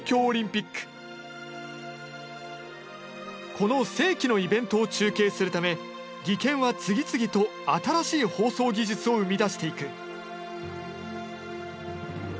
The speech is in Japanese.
この世紀のイベントを中継するため技研は次々と新しい放送技術を生み出していく。